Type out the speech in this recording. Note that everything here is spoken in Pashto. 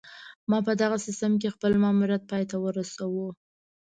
ما په دغه سیستم کې خپل ماموریت پای ته ورسوو